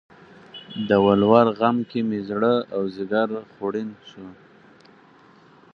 د ولور غم کې مې زړه او ځیګر خوړین شو